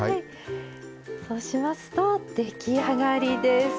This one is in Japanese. そうしますと出来上がりです。